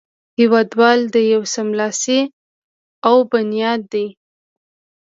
هېوادوال د یوه سملاسي او بنیادي